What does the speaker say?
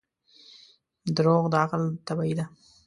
• دروغ د عقل تباهي ده.